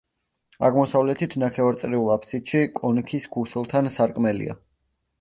აღმოსავლეთით, ნახევარწრიულ აფსიდში, კონქის ქუსლთან სარკმელია.